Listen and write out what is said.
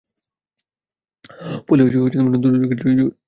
ফলে নতুন ভূমি জাগিয়ে তোলার পাশাপাশি পুরোনো ভূমিগুলো রক্ষায় পদক্ষেপ নিতে হবে।